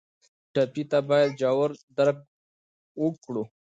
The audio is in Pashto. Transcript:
ټپي ته باید ژور درک وکړو.